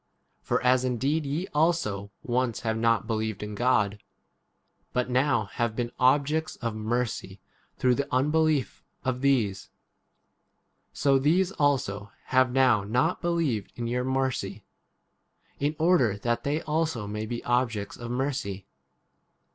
1 For as indeed ye also once have not believed in God, but now have been objects of mercy through 31 the unbelief of these ; so these also have now not believed in your mercy, in order that they also 32 may be objects of mercy."